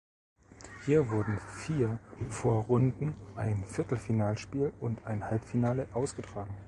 Hier wurden vier Vorrunden-, ein Viertelfinalspiel und ein Halbfinale ausgetragen.